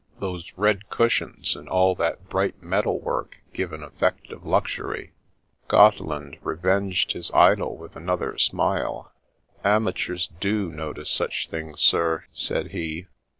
" Those red cushions and all that bright metal work give an effect of luxury." Gotteland revenged his idol with another smile. Amateurs do notice such things, sir," said he.